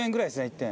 １点。